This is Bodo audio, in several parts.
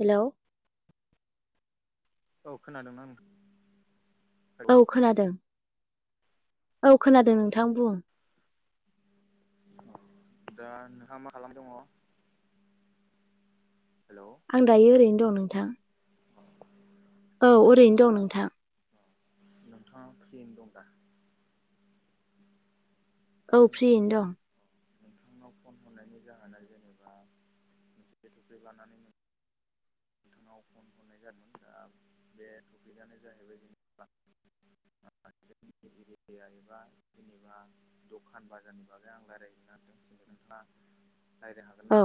हेल' औ खोनादोंनां औ खोनादों औ अ खोनादों नोंथां बुं दा नोंहा मा खालाम दङ हेलौ आं दायो ओरैनो दं नोंथां औ ओरैनो नोंथाङा दं नोंथां नोंथाङा फ्रियैनो दं दा दा औ फ्रियैनो दं नोंथांनाव ओ नोंथांनाव फन हरनायनि जाहोना जेनेबा [unintelligible] लानानै नोंथाङाव फन हरनाय जादोंमोन दा बे टपिकआनो जाहैबाय जों [unintelligible] जेनेबा दखान बाजारनि बागै आं रायज्लायहैनो नागिरदोंथ नोंथाङा रायज्लाय हागोन औ ना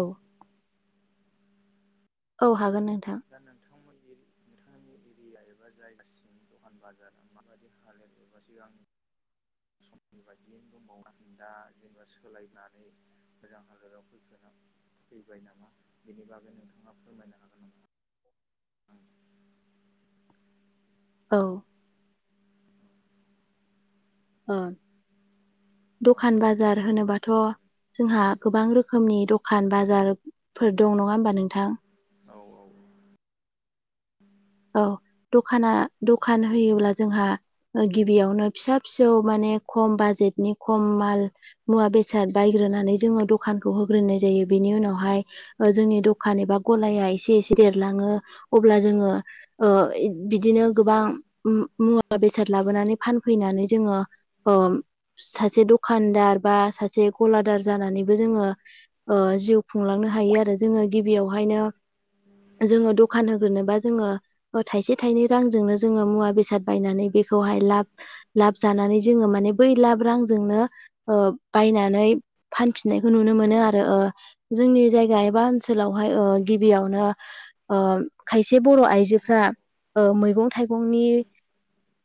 औ हागोन नोंथां दा नोंथांमोननि नोंथांनि एरिया एबा जायगासिम दखान बाजारा माबायदि हालद [inaudible] समनि बादियैनो दंबावो ना गैला जोङो सोलायनानै मोजां हालोदआव फैखोना माखो फैबाय नामा बेनि बागै नोंथाङा फोरमायनो हागोन नामा ओं औ ओ अ दखान बाजार होनोबाथ' जोंहा गोबां रोखोमनि दखान बाजारफोर दं नङा होमबा नोंथां औ औ औ दखाना दखान होयोब्ला जोंहा गिबियावनो फिसा फिसौ माने खम बाजेटनि खम माल मुवा बेसाद बायग्रोनानै जोङो दखानखौ होग्रोनाय जायो बिनि उनावहाय जोंनि दखान एबा गलाया एसे एसे देरलाङो अब्ला जोङो बिदिनो गोबां मुवा बेसाद लाबोनानै फानफैनानै जोङो सासे दखानदार बा सासे गलादार जानानैबो जोङो जिउ खुंलांनो हायो आरो जोङो गिबियावहायनो जोङो दखान होग्रोनो बा जोङो थाइसे थाइनै रांजोंनो जोङो मुवा बेसाद बायनानै बेखौहाय लाब लाब जानानै जोङो माने बै लाब रांजोंनो बायनानै फानफिननायखौ नुनो मोनो आरो जोंनि जायगा एबा ओनसोलावहाय गिबियावनो खायसे बर' आइजो औ फ्रा मैगं थाइगंनि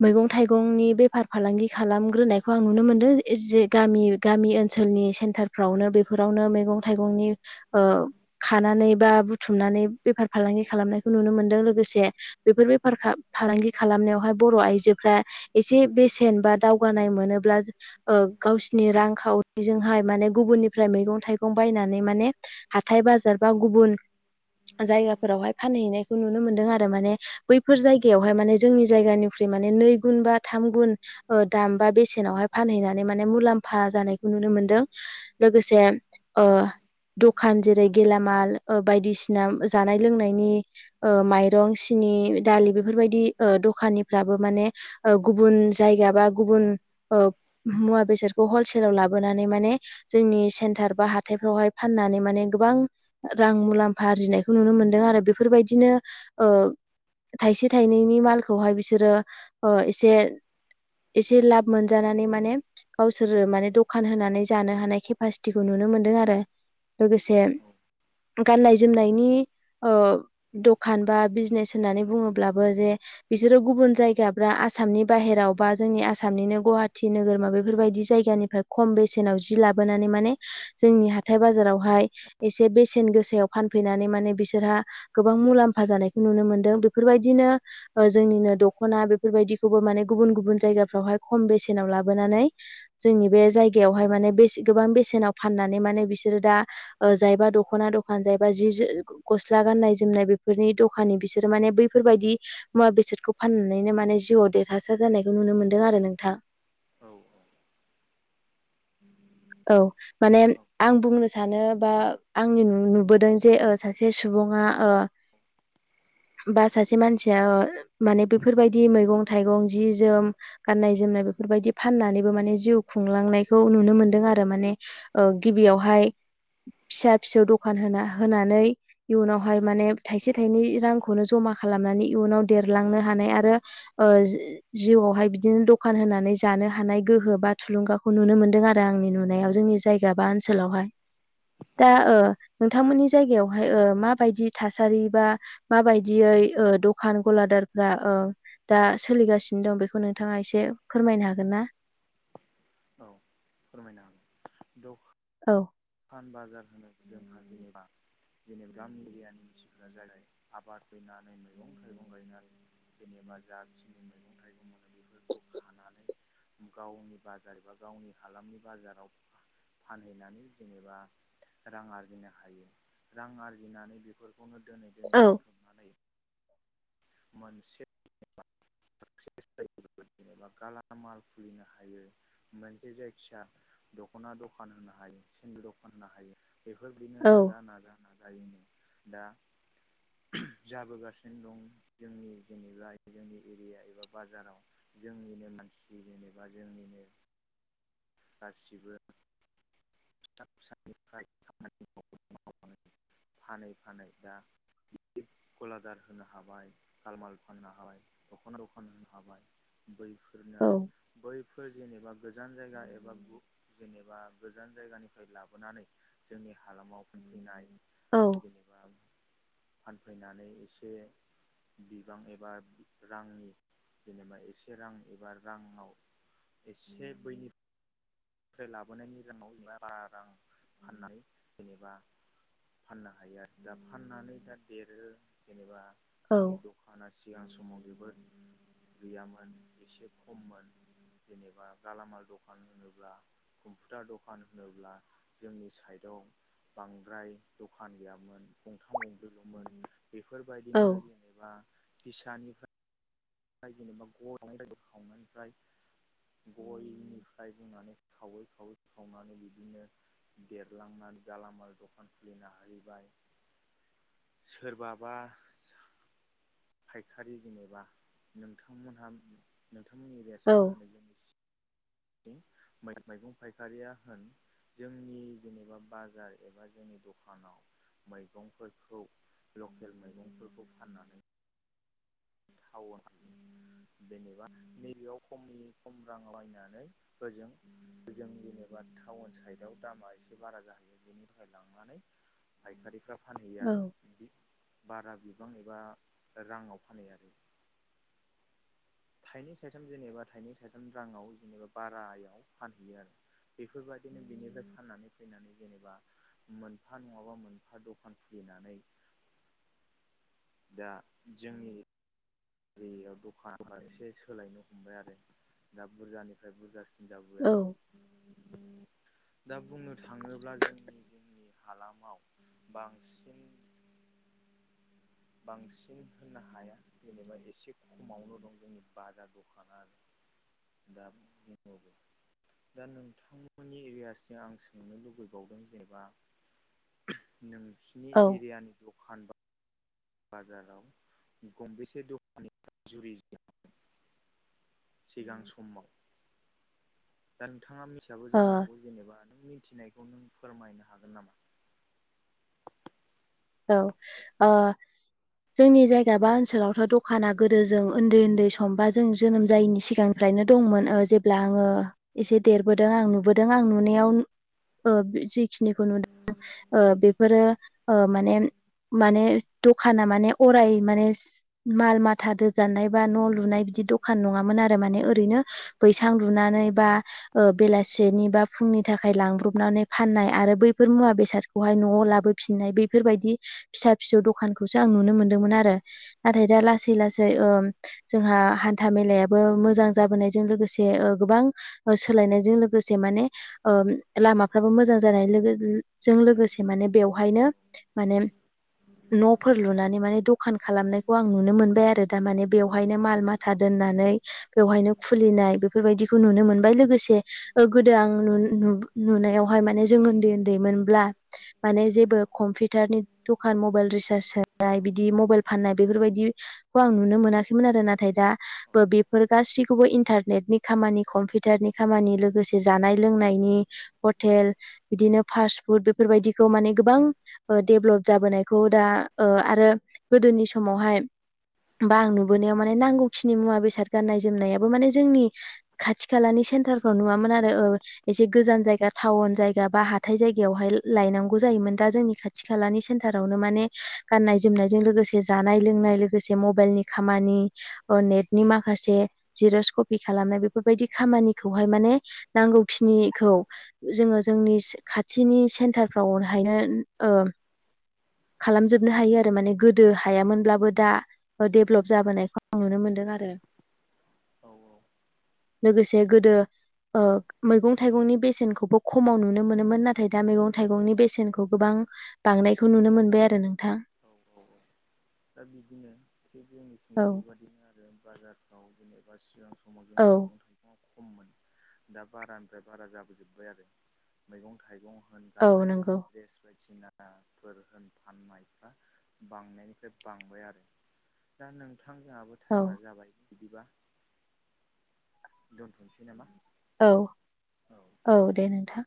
मैगं थाइगंनि बेफार फालांगि खालामग्रोनायखौ आं नुनो मोन्दों जे गामि गामि ओनसोलनि सेन्टारफ्रावनो बेफोरावनो मैगं थाइगंनि खानानै बा बुथुमनानै बेफार फालांगि खालामनायखौ नुनो मोनदों लोगोसे बेफोर बेफार फालांगि खालामनायावहाय बर' आइजोफ्रा एसे बेसेन बा दावगानाय मोनोब्ला गावसिनि रांखावरिजोंहाय माने गुबुननिफ्राय मैगं थाइगं बायनानै माने हाथाय बाजार बा गुबुन जायगाफोरावहाय फानहैनायखौ नुनो मोनदों आरो आरो माने बैफोर जायगायावहाय माने जोंनि जायगानिखुइ माने नै गुन बा थाम गुन दाम बा बेसेनावहाय फानहैनानै माने मुलाम्फा जानायखौ नुनो मोनदों लोगोसे ओ दखान जेरै गेलामाल बायदिसिना जानाय लोंनायनि माइ दं सिनि दालि बेफोरबायदि दखानिफ्राबो माने गुबुन जायगा बा गुबुन मुवा बेसादखौ हलसेलाव लाबोनानै माने जोंनि सेन्टार बा हाथायफ्रावहाय फाननानै माने गोबां रां मुलाम्फा आरजिनायखौ नुनो मोनदों आरो बेफोरबायदिनो थाइसे थाइनैनि मालखौहाय बिसोरो एसे एसे लाब मोनजानानै माने गावसोरो माने दखान होनानै जानो हानाय केपासिटिखौ नुनो मोनदों आरो लोगोसे गाननाय जोमनायनि दखान बा बिजनेस होननानै बुङोब्लाबो जे बिसोरो गुबुन जायगाफ्रा आसामनि बाहेराव बा जोंनि आसामनिनो गुवाहाटि नोगोरमा बेफोरबायदि जायगानि ओमफ्राय खम बेसेनाव जि लाबोनानै माने जोंनि हाथाय बाजारावहाय एसे बेसेन गोसायाव फानफैनानै माने बिसोरहा गोबां मुलाम्फा जानाय नुनो मोनदों बेफोरबायदिनो जोंनिनो दखना बेफोरबायदिखौबो माने गुबुन गुबुन जायगाफ्रावहाय खम बेसेनाव लाबोनानै जोंनि बे जायगायावहाय माने बेसे गोबां बेसेनाव फाननानै माने बिसोरो दा जायबा दख'ना दखान जायबा जि गस्ला गाननाय जोमनाय बेफोरनि दखान दखानि बिसोरो माने बैफोरबायदि मुवा बेसादखौ फाननानैनो माने जिउआव देरहासार जानायखौ नुनो मोन्दों आरो नोंथां औ औ औ माने आं बुंनो सानो बा आंनि नुबोदों जे सासे सुबुङा औ बा सासे मानसिया माने बेफोरबायदि मैगं थाइगं जि जोम गाननाय जोमनाय बेफोरबायदि फाननानैबो माने जिउ खुंलांनायखौ नुनो मोनो दों आरो माने गिबियावहाय फिसा फिसौ दखान होना होनानै इयुनावहाय माने थाइसे थाइनै रांखौनो जमा खालामनानै इयुनाव देरलांनो हानाय आरो ओ जिउआवहाय बिदिनो दखान होनानै जानो हानाय गोहो बा थुलुंगाखौ नुनो मोनदों आ रो आंनि नुनायाव जोंनि जायगा बा ओनसोलावहाय औ दा ओ नोंथांमोननि जायगायावहाय माबायदि थासारि बा माबायदियै दखान गलादारफ्रा दा सोलिगासिनो दं बेखौ नोंथाङा एसे फोरमायनो हागोन ना। औ फोरमायनो हागोन द औ खान बाजार होनो जोंहा जेनेबा जेनेबा गामि एरियानि मानसिफोरा जाबाय आबाद फैनानै मैगं थाइगं गायनानै जेनेबा जाथिनि मैगं-थाइगं मोनो बेफोरखौ खानानै गावनि बाजार एबा गावनि हालामनि बाजाराव फानहैनानै जेनेबा रां आरजिनो हायो रां आरजिनानै बेफोर बेखौनो दोनै दोनै औ दोनथुमनानै मोनसे [unintelligible] गाला माल खुलिनो हायो मोनसे जायखिजाया दख'ना दखान होनो हायो सेन्दु दखान होनो हायो बेफोरबायदिनो औ नाजा नाजा नाजायो दा जाबोगासिनो दं जोंनि जेनेबा जोंनि एरिया एबा बाजाराव जोंनिनो मानसि जेनेबा जोंनिनो गासिबो [unintelligible] मावनानै फानै फानै दा गलादार होनो हाबाय तालमाल फाननो हाबाय दख'ना दखान होनो हाबाय बैफोरनो औ बैफोर जेनेबा गोजान जायगा एबा जेनेबा गोजान जायगानिफ्राय लाबोनानै जोंनि हालामाव फैनाय औ जेनेबा फानफैनानै एसे बिबां एबा रांनि जेनेबा एसे रां एबा राङाव एसे बैनि लाबोनायनि राङाव जेनेबा बा रां फाननाय जेनेबा फाननो हायो आरो दा फाननानै दा देरो जेनेबा जोंनि औ द हाना सिगां समाव जेबो गैयामोन एसे खममोन जेनेबा गालामाल दखान होनोब्ला कम्पिुटार दखान होनोब्ला जोंनि साइडआव बांद्राय दखान गैयामोन गंथाम गंब्रैल'मोन बेफोरबायदिनो जेनेबा फिसानिफ्राय ओमफ्राय जेनेबा [unintelligible] जायो खावनायनि ओमफ्राय गयनिफ्राय बुंनानै खावै -खावै खावनानै बिदिनो देरलांनानै जालामाल दखान खुलिनो हाहैबाय सोरबाबा फायखारि जेनेबा नोंथांमोनहा नोंथांमोननि एरियासो मा औ होनो जोंनि थिं मैगं फायखारिया होन जोंनि जेनेबा बाजार एबा जोंनि दखानाव मैगंफोरखौ लकेल मैगंफोरखौ फाननानै टाउन जेनेबा नैबेयाव खमनि खम रां लायनानै ओजों-ओजों जेनेबा टाउन साइडआव दामा एसे बारा जाहैयो। बेनि थाखाय लांनानै फाइखारिफ्रा फानहैयो आरो औ बिदि बारा बिबां एबा राङाव फानो आरो थाइनै थाइथाम जेनेबा थाइनै थाइथाम राङाव जेनेबा बारायाव फानहैयो आरो बेफोरबायदिनो बिनिफ्राय फाननानै फैनानै जेनेबा मोनफा नङाबा मोनफा दखान खुलिनानै दा जोंनि दैयाव दखानफहर एसे सोलायनो हमबाय आरो दा बुरजानिफ्राय बुरजासि सिन जाबुबाय औ आरो दा बुंनो थाङोब्ला जोंनि जोंनि हालामाव बांसिन बांसिन होननो हाया जेनेबा एसे खममावनो दं जोंनि बाजार दखान आरो दा बुंबावगोन दा नोंथांमोननि एरियासिं आं सोंनो लुबैबावदों जेनेबा नोंसिनि औ एरियानि दखान बा बाजाराव गंबेसे दखानि जुरिज सिगां समाव दा नोंथाङा मिथियाबो ओ जानो हागौ जेनेबा नों मिथिनायखौ नों फोरमायनो हागोन नामा? औ ओ जोंनि जायगा बा ओनसोलावथ' दखाना गदो जों उन्दै उन्दै सम बा जों जोनोम जायैनि सिगां निफ्रायनो दंमोन ओ जेब्ला आङो एसे देरबोदों आं नुबोदों आं नुनायाव ओ बे जिखिनिखौ नुदों ओ बेफोरो ओ माने माने दखाना माने अराय माने सि माल माथा दोजानाय बा न' लुनाय बिदि दखान नङामोन आरो माने ओरैनो बैसां लुनानै बा ओ बेलासेनि बा फुंनि थाखाय लांब्रबनानै फाननाय आरो बैफोर मुवा बेसाद खौहाय न'आव लाबोफिननाय बेफोरबायदि फिसा फिसौ दखानखौसो आं नुनो मोनदोंमोन आरो नाथाय दा लासै लासै औ ओ जोंहा हान्था मेलायाबो मोजां जाबोनायजों लोगोसे ओ गोबां ओ सोलायनायजों लोगोसे माने ओम लामाफ्राबो मोजां जानाय लोगोजों लोगोसे माने बेवहायनो माने न'फोर लुनानै माने दखान खालामनायखौ आं नुनो मोनबाय आरो दा माने बेवहायनो माल मा माथा दोननानै बेवहायनो खुलिनाय बेफोरबायदिखौ नुनो मोनबाय लोगोसे गोदो आं नुन-नुन-नुनायावहाय माने जों उन्दै उन्दैमोनब्ला माने जेबो खम्पिटारनि दखान मबाइल रिसार्ज बिदि मबाइल फाननाय बेफोरबायदि खौ आं नुनो मोनाखैमोन आरो नाथाय दा बो बेफोर गासैखौबो इन्टारनेटनि खामानि कम्पिउटारनि खामानि लोगोसे जानाय लोंनायनि हथेल बिदिनो फास्ट फुड बेफोरबायदिखौ माने गोबां ओ देभलप जाबोनायखौ दा ओ आरो गोदोनि समावहाय बा आं नुबोनायाव माने नांगौखिनि मुवा बेसाद गाननाय जोमनायाबो माने जोंनि खाथि खालानि सेन्टारफोर नुवामोन आरो औ एसे गोजान जायगा टाउन जायगा बा हा हाथाय जायगायावहाय लायनांगौ जायोमोन दा जोंनि खाथि खालानि सेन्टारावनो माने गाननाय जोमनायजों लोगोसे जानाय लोंनाय लोगोसे मबाइलनि खामानि ओ नेटनि माखासे जिर'स कपि खालामनाय बेफोरबायदि खामानिखौहाय माने नांगौखिनिखौ जोङो जोंनि इसे खाथिनि सेन्टारफ्रावहायनो ओम खालामजोबनो हायो आरो माने गोदो हायामोनब्लाबो दा ओ डेभलप जाबोनायखौ आं नुनो मोन्दों आरो औ औ लोगोसे गोदो ओ मैगं थाइगंनि बेसेनखौबो खमाव नुनो मोनोमोन नाथाय दा मैगं थाइगंनि बेसेनखौ गोबां बांनायखौ नुनो मोनबाय आरो नोंथां औ औ औ दा बिदिनो थिग जोंनिथिंबो औ बेबदिनो आरो बाजारफ्राव जेनेबा सिगां स समाव औ जोंनि मैगं थायग म खममोन दा बारानिफ्राय बारा जाबोजोब्बाय आरो मैगं थाइगं औ नंगौ गाननाय-जोमनाय द्रेस बायदिनाफोर होन फाननायफ्रा बां बांय आरो दा नोंथांजोंहाबो औ टाइमा जाबाय बिदिबा दोनथ'नोसै नामा? औ औ दे नोंथां